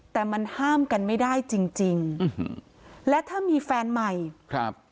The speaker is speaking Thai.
แต่มันห้ามกันไม่ได้จริงจริงอืมและถ้ามีแฟนใหม่ครับ